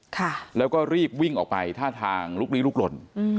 คือแล้วก็รีบวิ่งออกไปท่าทางลุกหลลี่รุกหล่น